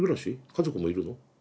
家族もいるの？